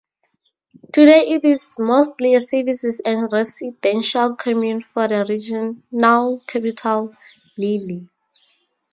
Today it is mostly a services and residential commune for the regional capital, Lille.